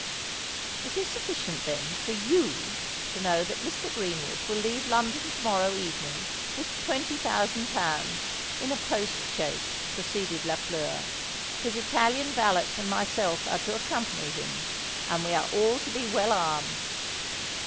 "It is sufficient, then, for you to know that Mr. Greenwood will leave London to morrow evening with twenty thousand pounds, in a post chaise," proceeded Lafleur. "His Italian valet and myself are to accompany him; and we are all to be well armed."